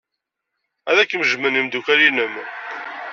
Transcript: Ad kem-jjmen yimeddukal-nnem.